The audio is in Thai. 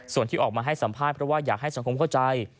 ส่วนที่ออกมาให้สัมภาษณ์เพราะว่าอยากให้สังคมเข้าใจ